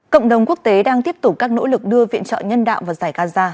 cộng đồng quốc tế đang tiếp tục các nỗ lực đưa viện trợ nhân đạo vào giải gaza